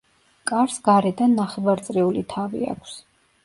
კარს გარედან ნახევარწრიული თავი აქვს.